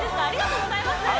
ありがとうございます